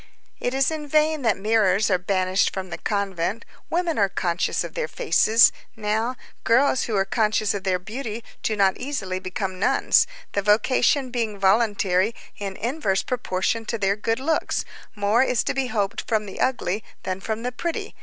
It is in vain that mirrors are banished from the convent, women are conscious of their faces; now, girls who are conscious of their beauty do not easily become nuns; the vocation being voluntary in inverse proportion to their good looks, more is to be hoped from the ugly than from the pretty.